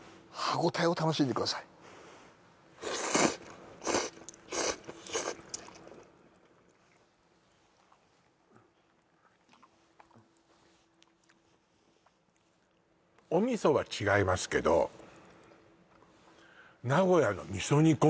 歯ごたえを楽しんでくださいお味噌は違いますけどあー